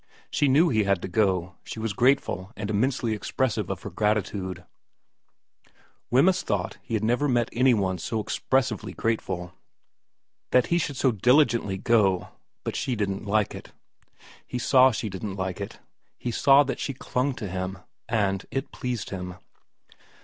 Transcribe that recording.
She knew he had to go, she was grateful and immensely expressive of her gratitude 24 VERA m Wemyss thought he had never met any one so ex pressively grateful that he should so diligently go, but she didn't like it. He saw she didn't like it ; he saw that she clung to him ; and it pleased him.